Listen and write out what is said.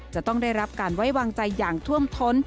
จะต้องได้รับการไว้วางใจอย่างท่วมท้น